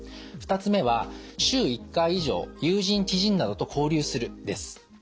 ２つ目は「週１回以上友人・知人などと交流する」です。